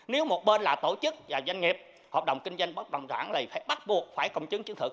nếu một bên là tổ chức và doanh nghiệp hợp đồng kinh doanh bất đồng sản thì phải bắt buộc phải công chứng chứng thực